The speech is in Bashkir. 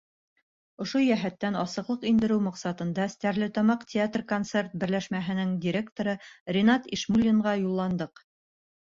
Ошо йәһәттән асыҡлыҡ индереү маҡсатында Стәрлетамаҡ театр-концерт берләшмәһенең директоры Ринат ИШМУЛЛИНҒА юлландыҡ.